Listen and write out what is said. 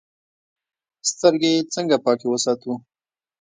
سترګې څنګه پاکې وساتو؟